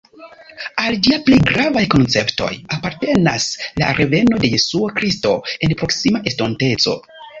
Al ĝia plej gravaj konceptoj apartenas la reveno de Jesuo Kristo en proksima estonteco.